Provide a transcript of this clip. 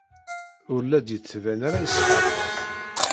Ur la d-yettban ara iṣeḥḥa aṭas.